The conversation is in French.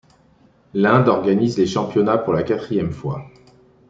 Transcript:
L'Inde organise les championnats pour la quatrième fois.